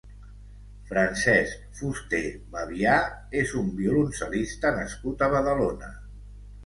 Francesc Fusté Babià és un violoncel·lista nascut a Badalona.